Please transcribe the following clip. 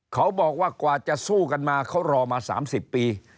เขาบอกว่ากว่าจะสู้กันมาเขารอมา๓๐ปี